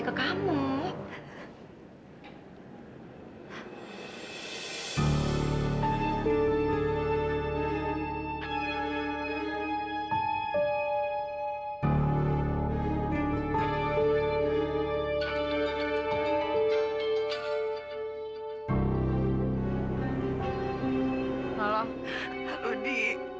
di kamu harus bantuin aku di